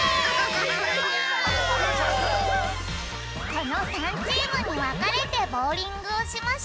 この３チームにわかれてボウリングをしましゅ。